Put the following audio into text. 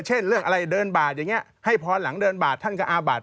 เช่นเรื่องอะไรเดินบาดอย่างนี้ให้พรหลังเดินบาดท่านก็อาบาท